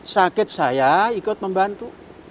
sakit saya ikut membantu